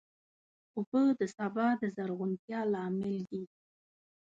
اوبه د سبا د زرغونتیا لامل دي.